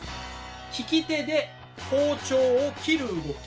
利き手で包丁を切る動き。